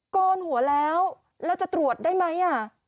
โกนหัวแล้วแล้วจะตรวจได้ไหม